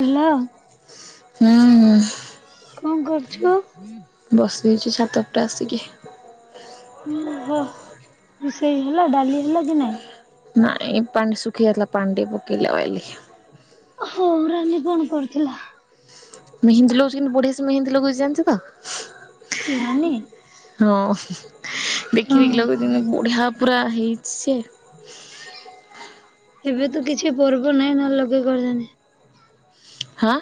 Hello. ହୁଁ। କଣ କରୁଚୁ? ବସିଚି ଛାତ ଉପରେ ଆସିକି। ଉଁ ହୋ ରୋଷେଇ ହେଲା ଡାଲି ହେଲା କି ନାଇଁ? ନାଇଁ ପାଣି ସୁଖି ଯାଇଥିଲା ପାଣି ଟିକେ ପକେଇଲି ଆଉ ଆଇଲି। ହୋଉ ରାନୀ କଣ କରୁଥିଲା? ମେହେନ୍ଦୀ ଲଗୋଉଚି କିନ୍ତୁ ବଢିଆସେ ମେହେନ୍ଦୀ ଲଗୋଉଚି ଜାଣିଚତ। କିଏ ରାନୀ? ହଁ ହଁ ଦେଖି ଦେଖି ଲଗୋଉଚି କିନ୍ତୁ ବଢିଆ ପୁରା ହେଇ ସିଏ ଏବେ ତ କିଛି ପର୍ବ ନାହିଁ ନହେଲେ ଲଗେଇକି କରିଥାନ୍ତି। ହା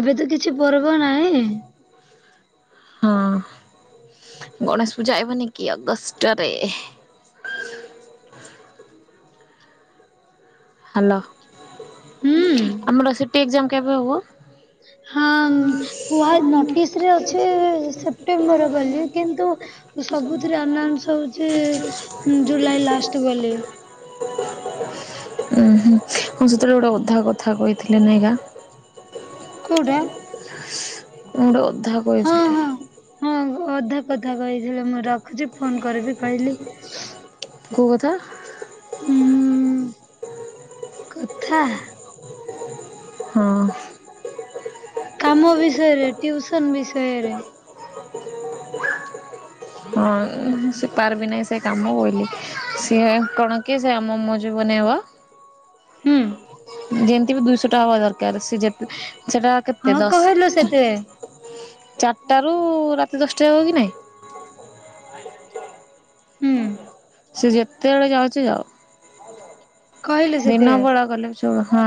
ଏବେ ତ କିଛି ପର୍ବ ନାହିଁ। ହଁ ଗଣେଶ ପୂଜା ହେବନି କି ଅଗଷ୍ଟରେ। ହାଲୋ ହୁଁ ଆମର ସେଠି ଏକ୍ସଜାମ କେବେ ହବ? ହଁ କୁହା ନୋଟିସ ରେ ଅଛି ସେପ୍ଟେମ୍ବର ବୋଲି କିନ୍ତୁ ସବୁଥିରେ ଆନାଉଁସ ହୋଉଚି ଜୁଲାଇ ଲାଷ୍ଟ ବୋଲି। ଉୁଁ ହୁଁ ମୁଁ ସେତେବେଳେ ଗୋଟେ ଅଧା କଥା କହିଥିଲି ନାଇଗା। [unintelligible] କଣ ଗୋଟେ ହଁ ଅଧା ହଁ କହିଥିଲି। ହଁ ଅଧା କଥା କହିଥିଲ ମୁଁ ରଖୁଚି ଫୋନ କରିବି କହିଲି। କୋଉ କଥା? ଉଁ କଥା ହଁ। କାମ ବିଷୟରେ ଟିଉସନ ବିଷୟରେ। ହଁ ସେ ପାରବି ନାଇଁ ସେ କାମ ବୋଲି ସିଏ କଣକି ସେ ଆମ ମୋ ଜୀବନେ ହବ ହୁଁ ଯେମିତି ବି ଦୁଇଶହ ଟା ହବା ଦରକାର ସେ ଯେତେ ସେଟା କେତେ ହଁ ଦଶ କହିଲୁ ସେତେବେଳେ ଚାରିଟାରୁ ରା ଚି ଦଶଟା ହବ କି ନାଇଁ। ହୁଁ। ସେ ଯେତେବେଳେ ଯାଉଚି ଯାଉ। କହିଲୁ ଦିନ ବଡ ସେତେବେଳେ କଲେ ଚଳ ହଁ।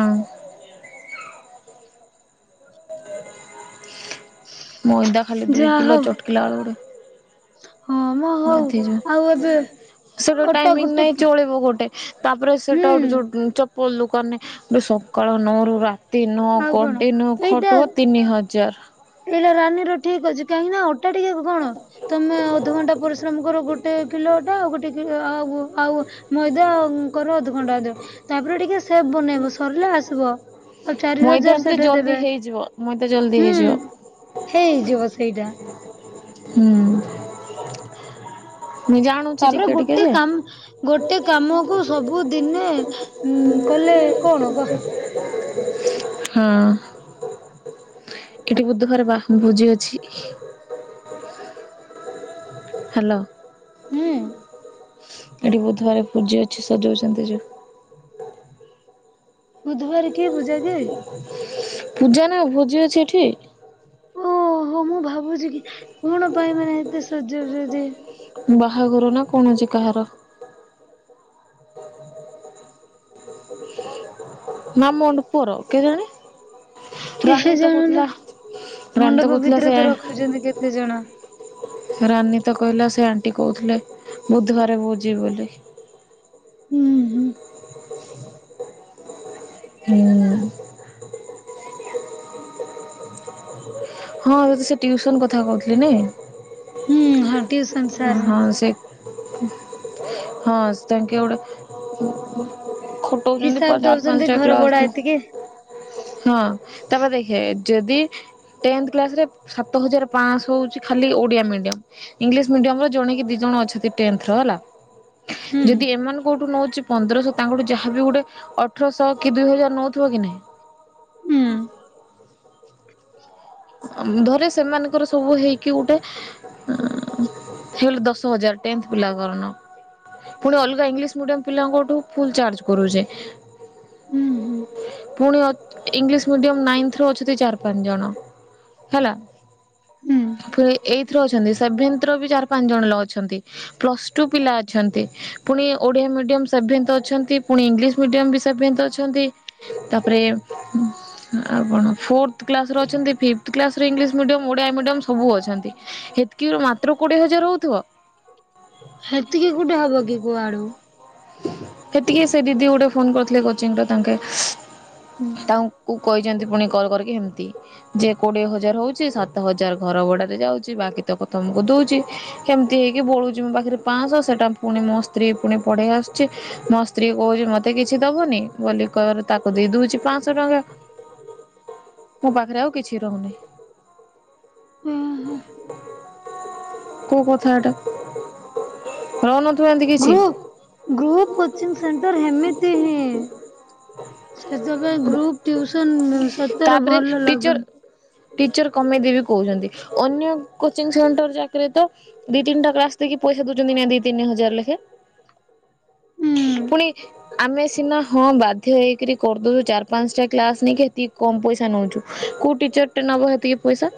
ମଇଦା ଖାଲି ଦୁଇ ଯାହା କିଲୋ ହଉ ଚଟକିଲା ଆଳୁରେ ହଁ ମ ହଉ ଆଉ ଏବେ ସେଗୁରାକ୍ ଅଟା ଟାଇମିଙ୍ଗ ଗୋଟେ ନାଇଁ କି- ଚଳିବ ଗୋଟେ ତାପରେ ହୁଁ ସେଟା ଗୋଟେ ଜୁଡ୍ ଚପ୍ ପଲୁକୁ ଆମେ ଗୋଟେ ସକାଳ ନଅରୁ ରା ତିନ ନୋ ଆଉ କଣ କଣ୍ଟିନୁ ଏଇଟା ଖଟିବ ତିନି ହଜାର। ଏଇଟା ରାନୀର ଠିକ ଅଛି କାହିଁକି ନା ଅଟ୍ ଟା ଟିକେ କଣ ତମେ ଅଧଘଣ୍ଟା ପରିଶ୍ରମ କର ଗୋଟେ କିଲୋ ଅଟା ଆଉ ଗୋଟେ କି ଆଉ ଆଉ ମଇଦା କର ଅଧଘଣ୍ଟା ଅଧେ ତାପରେ ଟିକେ ସେବ ବନେଇବ ସରଲେ ଆସିବ। ଆଉ ଚାରି ମଇଦା ହଜାର ଏମିତିରେ ସେଟା ଜଲ୍ଦି ଦେବେ ହେଇଯିବ ମଇଦା ଜଲ୍ଦି ହୁଁ। ହେଇଯିବ। ହେଇଯିବ ସେଇଟା। ହୁଁ। ମୁଁ ଜାଣୁଛି ତାପରେ ଟିକେ ଟିକେ ଗୋଟେ ଯେ କାମ୍ ଗୋଟ୍ ଗୋଟେ କାମକୁ ସବୁ ଦିନେ ଉଁ କଲେ କଣ କହ? ହଁ। ଏଠି ବୁଧ ଘରେ ବାହୁ ବୁଜିି ଅଛି। ହ୍ୟାଲୋ। ହୁଁ। ଏଠି ବୁଧୁବାରେ ପୂଜି ଅଛି ସଜଉଛନ୍ତି ଯୋଉ ବୁଧୁବାରେ କି ପୂଜା? କି ପୂଜା ନା ଭୋଜି ଅଛି ଏଠି? ଓହୋ ମୁଁ ଭାବୁଚି କି କଣ ପାଇଁ ମାନେ ଏତେ ସଜଉଚ ଯେ ଭାହାଘର ନା କଣ ହଉଚି କାହାର? ନା ମଣ୍ଡୁ ପୁଅର କେ ଜାଣେ କିଏ ରାନୀ ତ ଜାଣିଲା କହୁଥିଲା। ରାନୀ ମଣ୍ଡପ ସେ ଭିତରେ ତ ରଖୁଚନ୍ତି କେତେ ଜଣ। ରାନୀ ତ କହିଲା ସେ ଆଣ୍ଟି କହୁଥିଲେ ବୁଧୁବାରେ ଭୋଜି ବୋଲି। ଉଁ ହୁଁ। ହୁଁ। ହଁ ଯଦି ସେ ଟିଉସନ କଥା କହୁଥିଲେ ନେଏଁ। ହୁଁ ହଁ ଟିଉସନ ସାର୍ ହଁ ମାନେ ସେ ହଁ ତାଙ୍କେ ଗୋଡେ ଖଟୋଉଚନ୍ତି ହିସାବ ପର୍ ଚାରି ଦଉଛନ୍ତି ପାଞ୍ଚଟା ଘର କ୍ଲାସ୍ ଭଡା ଥି, ଏତିକି ହଁ ତାପରେ ଦେଖେ। ଯଦି। ଟେନ୍ଥ କ୍ଲାସ ରେ ସାତ ହଜାର ପାଁଶହ ହଉଚି ଖାଲି ଓଡିଆ ମିଡିୟମ, ଇଂଲିଶ ମିଡିୟମରେ ଜଣେ କି ଦି ଜଣ ଣ ଅଛତି ଟେନ୍ଥର ହେଲା, ହୁଁ ଯଦି ଏମାନେ କଉଠୁ ନଉଚି ପନ୍ଦରଶହ ତାଙ୍କଠୁ ଯାହାବି ଗୋଟେ ଅଠରଶହ କି ଦୁଇ ହଜାର ନଉଥିବ କି ହୁଁ ନାହିଁ। [inaudible] ଧରେ ସେମାନଙ୍କର ସବୁ ହେଇକି ଗୁଟେ ହେଲୋ ଦଶ ହଜାର ଟେନ୍ଥ ପିଲାଙ୍କର ନ ପୁଣି ଅଲଗା ଇଂଲିଶ ମିଡିମ ପିଲାଙ୍କଠୁ ଫୁଲ ଚାର୍ଜ କରୁଚେ। ହୁଁ ହୁଁ ପୁଣି ଅ ଇଂଲିଶ ମିଡିୟମ ନାଇନ୍ଥର ଅଛତି ଚାରି ପାଞ୍ଚ ଜଣ। ହେଲା ହୁଁ ଫିର ଏଇଥ୍ ର ଅଛନ୍ତି ସେଭେନ୍ଥ ର ବି ଯାହାର ପାଞ୍ଚ ଜଣ ଲ ଅଛନ୍ତି। ପ୍ଲସ୍ ଟୁ ପିଲା ଅଛନ୍ତି। ପୁଣି ଓଡ଼ିଆ ମିଡ଼ିୟମ୍ ସେଭେନ୍ଥ ଅଛନ୍ତି। ପୁଣି ଇଂଲିଶ ମିଡିୟମ ବି ସେଭେନ୍ଥ ଅଛନ୍ତି, ତାପରେ ଉମ୍ ଆପଣ ଫୋର୍ଥ କ୍ଲାସ ର ଅଛନ୍ତି। ଫିଫ୍ଥ କ୍ଲାସରେ ଇଂଲିଶ ମିଡିଅମ୍ ଓଡିଆ ମିଡିଅମ୍ ସବୁ ଅଛନ୍ତି, ହେତକି ରୁ ମାତ୍ର କୋଡିଏ ହଜାର ହଉଥିବ। ହେତିକି ଗୁଟେ ହବ କି କୁଆଡୁ? ହେତିକି ସେ ଦିଦି ଗୋଟେ ଫୋନ କରିଥିଲେ କୋଚିଂ ର ତାଙ୍କେ, ତାଙ୍କକୁ କହିଚନ୍ତି ପୁଣି କଲ୍ କରକି ହେମିତି। ଯେ କୋଡିଏ ହଜାର ହଉଚି। ସାତ ହଜାର ଘର ଭଡାରେ ଯାଉଚି। ବାକି ତକ ତମକୁ ଦଉଚି। କେମିତି ହେଇକି ବଳୁଛି ମୋ ପାଖରେ ପାଶହ, ସେଟା ପୁଣି ମୋ ସ୍ତ୍ରୀ ପୁଣି ପଢ଼େଇ ଆସୁଛି। ମୋ ସ୍ତ୍ରୀ କହୁଛି ମତେ କିଛି ଦବନି, ବୋଲି କହିବାରୁ ତାକୁ ଦେଇ ଦଉଛି ପାଶହ ଟଙ୍କା ମୋ ପାଖରେ ଆଉ କିଛି ରହୁନି। ହୁଁ [unintelligible] କୋଉ କଥା ଟା, ରନ ଗ୍ରୁପ, ଗ୍ରୁପ କୋଚିଙ୍ଗ ସେଣ୍ଟର ହେମତି ହିଁ। ସେଥିପାଇଁ ଗ୍ରୁପ ଟିଉସନ ସତରେ ତାପରେ ଭଲ ଟିଚର ଲାଗୁନି। ଟିଚର କମେଇଦେବି କହୁଛନ୍ତି, ଅନ୍ୟ କୋଚିଂ ସେଣ୍ଟର ଯାକରେ ତ ଦି ତିନିଟା କ୍ଲାସ୍ କି ପଇସା ଦଉଛନ୍ତି, ଦ୍ବି ତିନି ହଜାର ଲେଖେ। ହୁଁ। ପୁଣି ଆମେ ସିନା ହଁ ବାଧ୍ୟ ହେଇକରି କରିଦେଉ ଚାର ପାଞ୍ଚ ଟା କ୍ଲାସ ନେଇକି ଏତିକି କମ ପଇସା ନଉଛୁ, କୋଉ ଟିଚର ଟା ନବ ହେତିକି ପଇସା।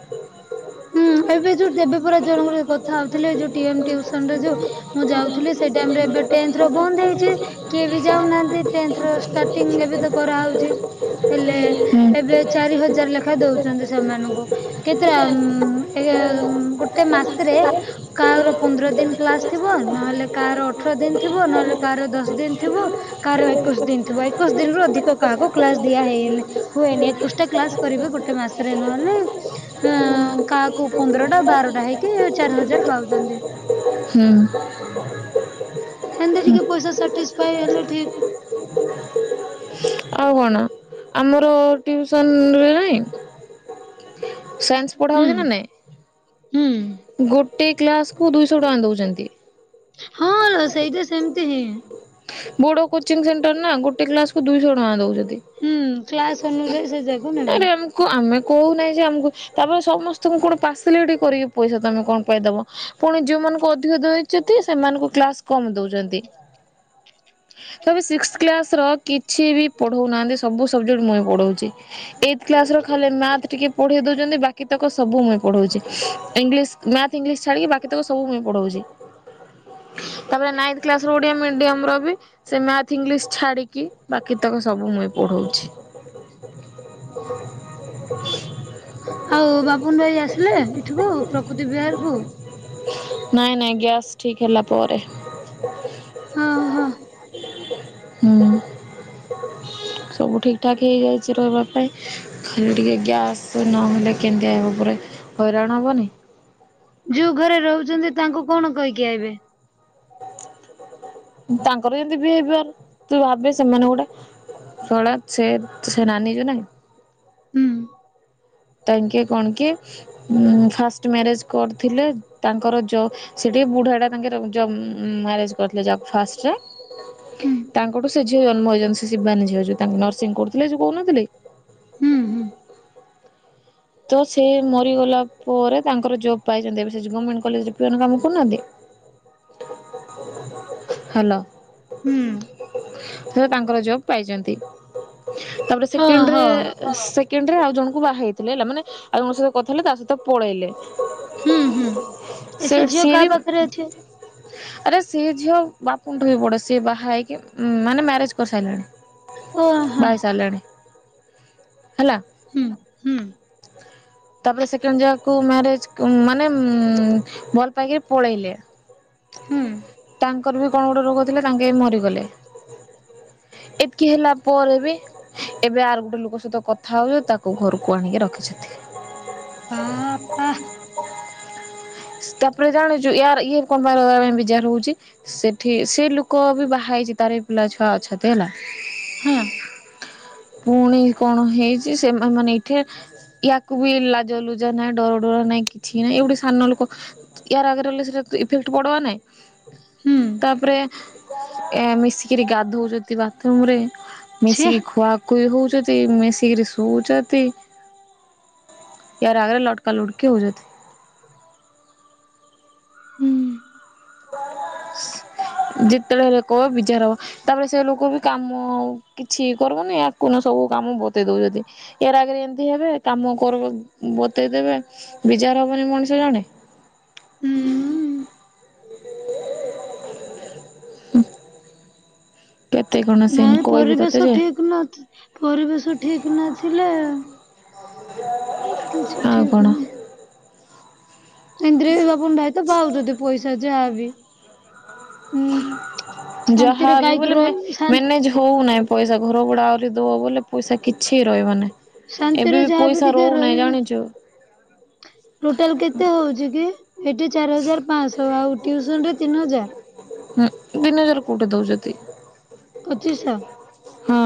ହୁଁ [unintelligible] ଏବେ ଯୋଉ ଦେବେ ପୁରା ଜଣଙ୍କର କଥା ହଉଥିଲେ। ଯୋଉ ଟିଏମ୍ ଟିଉସନ୍ ରେ ଯୋଉ ମୁଁ ଯାଉଥିଲି ସେଇ ଟାଇମରେ ଏବେ ଟେନ୍ଥର ବନ୍ଦ ହେଇଛି, କିଏ ବି ଯାଉନାହାନ୍ତି, ଟେନ୍ଥର ଷ୍ଟାର୍ଟିଂ ଏବେ ତ କରା ଆଉ ଯେ, ହେଲେ ଏବେ ଚାରି ହଜାର ଲେଖା ଦଉଛନ୍ତି ସେମାନଙ୍କୁ, କେତେ ଆଉ [unintelligible] ଏ ଗୋଟେ ମାସରେ କାହାର ପନ୍ଦର ଦିନ୍ ଦିନ କ୍ଲାସ ଥିବ, ଆସିବ ଆମେ ନହେଲେ ଯଦି କାହାର ଅଠର ପନ୍ଦର ଦିନ ଥିବ ଆଣିବୁ ନହେଲେ କାହାର ଦଶ ମାସେ ଦିନ ଥିବ। ଦିଆଯିବ କାହାର ନହେଲେ ଏକୋଇଶ ଦିନ ଥିବ। କାହାର ମାସେ ଏକୋଇଶ ଦିନରୁ ଆସିବ ଅଧିକ କାହାକୁ କ୍ଲାସ କାହାର ଦିଆହେଇନି, ହୁଏନି, ଏକୁଶଟା କ୍ଲାସ କରିବେ ଗୋଟେ ମାସରେ, ନହଲେ ହେଇକି ଚାରି [unintelligible] ହଜାର ପାଉଛନ୍ତି। ହୁଁ। ହେନ୍ତା ଟିକେ ପଇସା ସାଟିସଫାଏ ହେଲେ ଠିକ। ଆଉ କାଣ, ଆମର ଟିଉସନ ରେ ନାଇଁ ସାଇନ୍ସ ପଢା ହୁଁ ହଉଛି ନା ନାଇଁ? ହୁଁ ଗୋଟେ କ୍ଲାସକୁୁ ଦୁଇଶହ ଟଙ୍କା ଦଉଛନ୍ତି। ହଁ, ର ସେଇଟା ସେମିତି ହିଁ। ବୋଡ କୋଚିଂ ସେଣ୍ଟର ନା, ଗୋଟେ କ୍ଲାସକୁୁ ଦୁଇଶହ ଟଙ୍କା ହୁଁ କ୍ଲାସ ଦଉଛନ୍ତି। ଅନୁଯାୟୀ ସେ ଯାକ ନେବେ। ଏ ଆମକୁ ଆମେ କହୁନାହିଁ ଯେ, ଆମକୁ -ତାପରେ ସମସ୍ତେ ତମକୁ କଣ ପାର୍ସିଲ ଟିକେ କରିକି ପଇସା ତମେ କଣ ପାଇଁଦବ? ପୁଣି ଯୋଉ ମାନଙ୍କୁ ଙ୍କୁ ଅଧିକ ଦେଇଛନ୍ତି ସେମାନଙ୍କୁ କ୍ଲାସ୍ କମ୍ ଦଉଛନ୍ତି। ତାପରେ ସିକ୍ସ କ୍ଲାସର କିଛି ବି ପଢଉନାହାନ୍ତି, ସବୁ ସବଜେକ୍ଟ ମୁଁ ପଢଉଛି। ଏଇଥ କ୍ଲାସ ର ଖାଲି ମାଥ ଟିକେ ପଢେଇ ଦଉଛନ୍ତି, ବାକି ତକ ସବୁ ମୁଇଁ ପଢଉଛି। ଇଂଲିଶ, ମ୍ୟାଥ୍ ଇଂଲିଶ, ଛାଡ଼ିକି ବାକିତକ ସବୁ ମୁଁ ପଢ଼ଉଛି। ତାପରେ ନାଇନ୍ଥ କ୍ଲାସ ର ଓଡିଆ ମିଡିୟମ ର ବି ମ୍ୟାଥ୍ ଇଂଲିଶ ଛାଡ଼ିକି, ବାକି ତକ ସବୁ ମୁଁ ପଢ଼ାଉଛି। ଆଉ [unintelligible] ବାପୁନ ଭାଇ ଆସିଲେ ଏଠିକୁ ପ୍ରକୃତି ବିହାରକୁ? [unintelligible] ନାଇଁ ନାଇଁ ଗ୍ୟାସ୍ ଠିକ୍ ହେଲା ପରେ ହଁ ହଁ। ହୁଁ [unintelligible] ସବୁ ଠିକ୍ ଠାକ୍ ହେଇଯାଇଛି ରହିବା ପାଇଁ, ଖାଲି ଟିକେ ଗ୍ୟାସ୍ ନହେଲେ କେନ୍ଦିଆ ହେବା ପରେ ହଇରାଣ ହବନି? ଯୋଉ ଘରେ ରହୁଛନ୍ତି, ତାଙ୍କୁ କଣ କହିକି ଆଇବେ? ତାଙ୍କର ଯେମିତି ବିହେଭିୟର, ତୁ ଭାବ ସେମାନେ ଗୋଟେ ଶଳା ସେ, ସେ ନାନୀ ଯୋଉ ନାଇଁ ହୁଁ ତାଙ୍କେ କଣ କି ଫାଷ୍ଟ ମ୍ୟାରେଜ କରିଥିଲେ, ତାଙ୍କର ଯ ସେଠ ବୁଢା ଟା ତାଙ୍କ ମାରେଜ କରିଥିଲେ, ଫାଷ୍ଟରେ ହୁଁ ତାଙ୍କଠୁ ସେ ଝିଅ ଜନ୍ମ ହେଇଛନ୍ତି, ସେ ଶିବାନୀ ଝିଅ ଯୋଉ ତାଙ୍କ ନର୍ସିଂ କରୁଥିଲେ, ଯୋଉ କହୁନଥିଲେ ହୁଁ ବ ବ ହୁଁ [unintelligible] ତ ସେ ମରିଗଲା ପରେ ତାଙ୍କର ଜବ୍ ପାଇଛନ୍ତି ଏବେ ସେ ଗଭର୍ଣ୍ଣମେଣ୍ଟ କଲେଜରେ ପିଅନମାନେ ରଖୁନାଁହାନ୍ତି। ହ୍ୟାଲୋ। ହୁଁ। ସେ ତାଙ୍କର ଜବ ପାଇଛନ୍ତି ତାପରେ ହଁ ସେକେଣ୍ଡରେ ହଁ ସେ କେଣ୍ଡ ରେ ଆଉ ଜଣଙ୍କୁ ବାହା ହେଇଥିଲେ ହେଲା ମାନେ ଆଉ ଜଣଙ୍କ ସହିତ କଥାଲେ ତା ସହିତ ପଳେଇଲେ। ହୁଁ ହୁଁ ଏ ସେ ଝିଅ ସିଏ ବି କାହା ପାଖରେ ଅଛେ। ଆରେ ସିଏ ଝିଅ ବାପୁଠୁ ବି ଵଡ ସିଏ ବାହା ହେଇକି ମାନେ ମ୍ୟାରେଜ କରିସାରିଲାଣି। ଓହୋ ବାହାହେଇ ସାରିଲାଣି ହେଲା। ହୁଁ ହୁଁ। ହ [inaudible] ତାପରେ ସେକେଣ୍ଡେ ଯାହାକୁ ମ୍ୟାରେଜ ମାନେ ଭଲ ପାଇକି ପଳେଇଲେ। ହୁଁ। କଣ ତାଙ୍କର ଗୋଟେ ରୋଗ ଥିଲା ତାଙ୍କେ ମରିଗଲେ। ତିକି ହେଲା ପରେ ବି ଏବେ ଆର ଗୋଟେ ଲୋକ ସହିତ କଥା ହଉଛି ତାକୁ ଘର କହିକି ରଖିଚତି। ବାପା ତାପରେ ଜାଣୁଛୁ ୟାର ଇଏ କଣପାଇଁ ବିଜାର ହଉଛି ସେଠି ସେ ଲୋକ ବି ବାହା ହେଇଚି ତାର ବି ପିଲା ଛୁଆ ଅଛନ୍ତି ହେଲା। ହଁ। ପୁଣି କଣ ହେଇଛି ସେ ମାନେ ଏ ଏ ୟାକୁ ବି ଲାଜ ଲୁଜା ନାାଇଁ ଡରଡୁରା ନାଇଁ କିଛି ନାଇଁ ଏ ଗୁଟେ ସାନ ଲୁକ ୟାର ଆଗରେ ରହିଲେ ସେଟା ଇଫେକ୍ଟ ପଡବା ହୁଁ ନାଇଁ ତାପରେ ଏ ମିଶିକିରି ଗାଧଉଚତି ବାଥରୁମ ରେ ଛି ମିଶିକି ଖୁଆ କୁଇ ହଉଚତି ମିଶିକିରି ସୁଉଚତି। ୟାର ଆଗରେ ଲଟକା ଲୁଟକି ହଉଚତି। [inaudible] ହୁଁ। [unintelligible] ଯେତେବେଳେ ହେଲେ କହ ବିଝାର ହବ ତାପରେ ସେ ଲୋକ ବି କାମ କିଛି କରିବନି ୟାଙ୍କୁ ନା ସବୁ କଉ କାମ ବତେଇ ଦଉଚତି ଏ ରା ଆଗରେ ଏମିତି ହେ କାମ କର ବତେଇ ଦେବେ ବିଚାରି ହବନି ମଣିଷ ଜଣେ ହୁଁ କେତେ କଣ ସିନ୍ ନାଇଁ କହିବି ତତେ ପରିବେଶ ଯେ ଠିକ ନ ପରିବେଶ ଠିକ ନଥିଲେ କିଛି ଆଉ ଠିକ ନାହି। ହୁଁ ଭାଇ ତ ପାଉଛନ୍ତି ପଇସା ଯାହାବି ହୁଁ। [unintelligible] ଯାହା ଶାନ୍ତିରେ ବି କାହିଁକି ହେଲେ ରହିବୁ ଶାନ୍ତି ମେନେଜ ହଉନାହିଁ ପଇସା। ଘର ଭଡ଼ା ଆହୁରି ଦେବ ବୋଲେ ପଇସା କିଛି ରହିବ ନାହିଁ। ଏବେ ଶାନ୍ତିରେ ବି ଯାହାବି ପଇସା ଟିକେ ରହୁନାହିଁ ରହିବେ। ଜାଣିଛୁ? ଟୋଟାଲ କେତେ ହଉଛି କି? ଏଠି ଚାରି ହଜାର ପାଞ୍ଚଶହ ଆଉ ଟିଉସନ ରେ ତିନି ହଜାର ହୁଁ ତିନିହଜାର କୋଉଠି ଦଉଚତି ପଚିଶଶହ ହଁ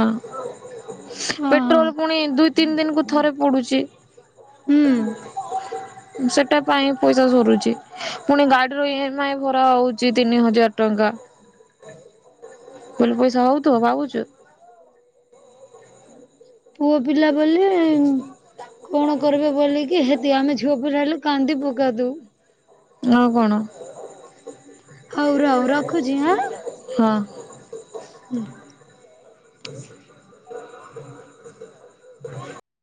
ହଁ ହଁ ପେଟ୍ରୋଲ ପୁଣି ଦୁଇ ତିନି ଦିନକୁ ଥରେ ପଡୁଛି। ହୁଁ ସେଟା ପାଇଁ ପଇସା ସରୁଛି ପୁଣି ଗାଡିର ଇମ ଆଇ ଭଲ ହଉଛି ତିନି ହଜାର ଟଙ୍କା। କହିଲୁ ପଇସା ହଉ ଥିବ ଭାବୁଛୁ? ପୁଅ ପିଲା ବୋଲି କଣ କରିବେ ବୋଲିକି ହେତି ଆମେ ଝିଅ ପିଲା ହେଲେ କାନ୍ଦି ପକାନ୍ତୁ। ଆଉ କଣ? ହଉ ରହ ରଖୁଚି ଆଁ। ହଁ। ହ [inaudible] ହଁ [inaudible] ହ [inaudible]